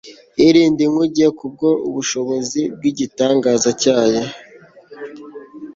irinda inkuge kubwo ubushobozi bw'igitangaza cyayo